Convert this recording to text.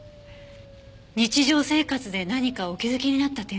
日常生活で何かお気づきになった点は？